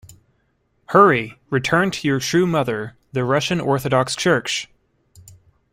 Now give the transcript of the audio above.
Hurry, return to your true mother, the Russian Orthodox Church!